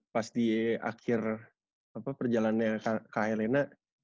pas di akhir perjalanan kak elena